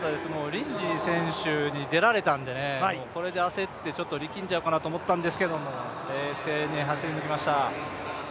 リンジー選手に出られたんで、これで焦って力んじゃうかなと思ったんですけども冷静に走り抜きました。